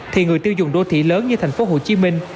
thì người tiêu dùng đô thị lớn như thành phố hồ chí minh